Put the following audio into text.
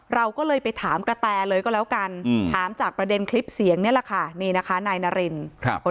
เราก็เลยไปถามกระแต่เลยก็แล้วกันถามจากประเด็นคลิปเสียงนี่แหละค่ะ